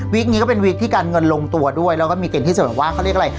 นี้ก็เป็นวิกที่การเงินลงตัวด้วยแล้วก็มีเกณฑ์ที่จะแบบว่าเขาเรียกอะไร